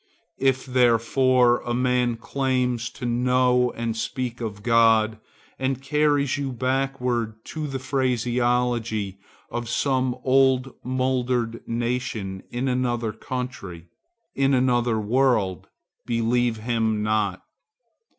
If therefore a man claims to know and speak of God and carries you backward to the phraseology of some old mouldered nation in another country, in another world, believe him not.